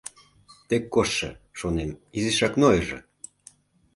«Тек коштшо, шонем, изишак нойыжо».